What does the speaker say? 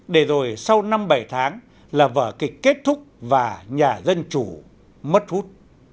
để rồi sau năm bảy tháng là vở kịch kết thúc và nhà dân chủ mất hút